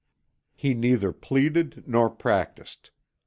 He neither pleaded nor practised.